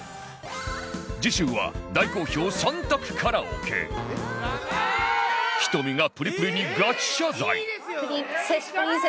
次週は大好評３択カラオケｈｉｔｏｍｉ がプリプリにガチ謝罪